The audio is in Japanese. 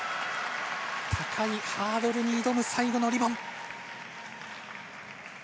高いハードルに挑む最後のリボン。